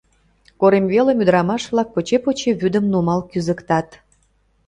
Корем велым ӱдырамаш-влак поче-поче вӱдым нумал кӱзыктат.